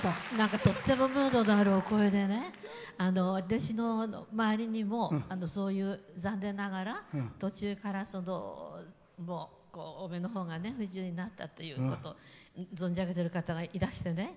とってもムードのあるお声で私の周りにも、そういう残念ながら、途中からお目のほうが不自由になったというのを存じ上げてる方がいらしてね